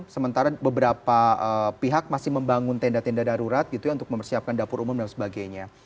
sementara beberapa pihak masih membangun tenda tenda darurat gitu ya untuk mempersiapkan dapur umum dan sebagainya